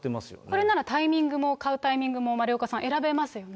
これならタイミングも、買うタイミングも丸岡さん、選べますよね。